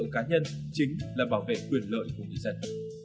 cá nhân chính là bảo vệ quyền lợi của người dân